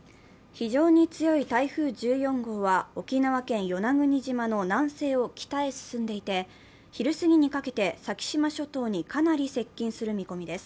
非常に強い台風１４号は、沖縄県与那国島の南西を北へ進んでいて昼過ぎにかけて先島諸島にかなり接近する見込みです。